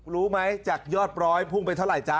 รู้ไหมจากยอดร้อยพุ่งไปเท่าไห้